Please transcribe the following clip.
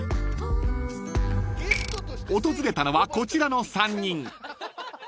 ［訪れたのはこちらの３人］